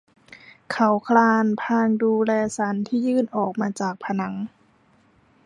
เขาคลานพลางดูแลสันที่ยื่นออกมาจากผนัง